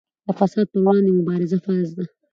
د فساد پر وړاندې مبارزه فرض ده.